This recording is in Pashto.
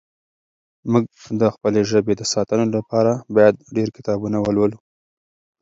موږ د خپلې ژبې د ساتنې لپاره باید ډېر کتابونه ولولو.